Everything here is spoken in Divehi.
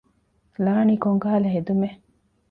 ލާނީ ކޮންކަހަލަ ހެދުމެއް؟